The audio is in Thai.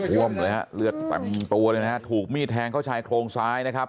ร่วมเลยฮะตัวเลยนะถูกมีดแทงเขาใจโครงซ้ายนะครับ